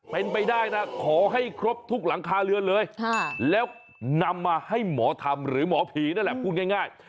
เป็นไปได้นะขอให้ครบทุกหลังคาเรือนเลยแล้วนำมาให้หมอทำหรือหมอผีนั่นแหละพูดง่าย